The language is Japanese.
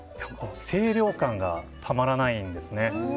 清涼感がたまらないんですね。